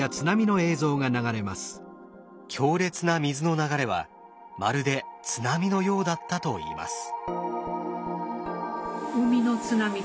強烈な水の流れはまるで津波のようだったといいます。